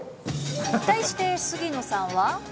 対して杉野さんは。